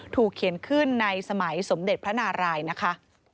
เขียนขึ้นในสมัยสมเด็จพระนารายนะคะ